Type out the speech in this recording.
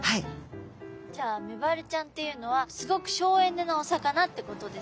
じゃあメバルちゃんっていうのはすごく省エネなお魚ってことですね。